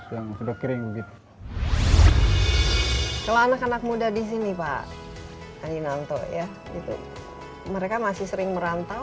yang sudah kering gitu kalau anak anak muda di sini pak anginanto ya itu mereka masih sering merantau